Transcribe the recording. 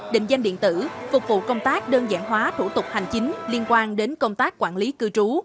định danh điện tử phục vụ công tác đơn giản hóa thủ tục hành chính liên quan đến công tác quản lý cư trú